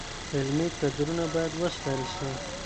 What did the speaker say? علمي کدرونه باید وستایل سي.